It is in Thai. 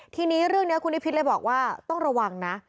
ทีนี้เรื่องนี้คุณนิพิษเลยบอกว่าต้องระวังนะ